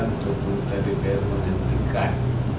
untuk pemerintah dpr menghentikan